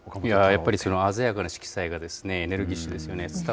やっぱり鮮やかな色彩が、エネルギッシュですよね。